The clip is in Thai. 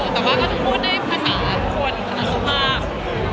แต่จะพูดในภาษาทุกคนภาษาภาคน